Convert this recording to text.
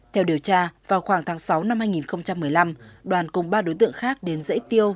theo điều tra vào khoảng tháng sáu năm hai nghìn một mươi năm đoàn cùng ba đối tượng khác đến dãy tiêu